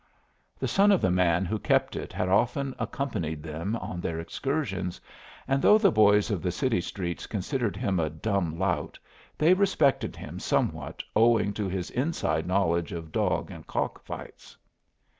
The son of the man who kept it had often accompanied them on their excursions, and though the boys of the city streets considered him a dumb lout, they respected him somewhat owing to his inside knowledge of dog and cock fights.